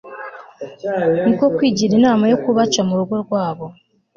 niko kwigira inama yo kubaca mu rugo rwabo